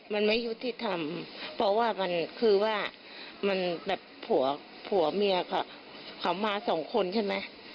มันไม่ยุติธรรมเพราะว่ามันคือว่ามันแบบผัวผัวเมียค่ะเขามาสองคนใช่ไหม